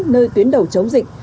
nơi tuyến đầu chống dịch